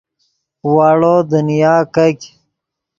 واڑو دنیا کیګ